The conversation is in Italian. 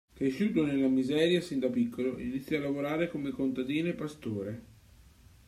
Cresciuto nella miseria, sin da piccolo iniziò a lavorare come contadino e pastore.